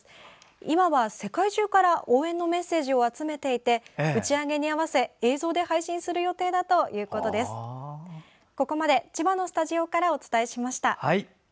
今は世界中から応援のメッセージを集めていて打ち上げに合わせ映像で配信する予定だということです。